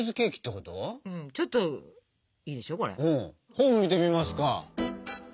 本見てみますか。